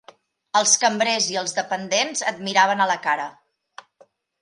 Els cambrers i els dependents et miraven a la cara